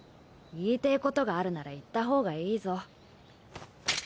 言いてえことがあるなら言ったほうがいいぞ。